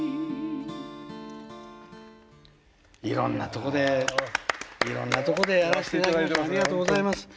いろんなとこでいろんなとこでやらせて頂きました。